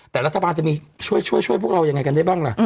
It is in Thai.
แต่รัฐบาลจะมีช่วยพวกเรายังไงกันได้บ้างล่ะ